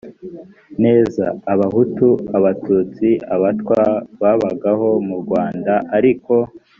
neza abahutu abatutsi abatwa babagaho mu rwanda ariko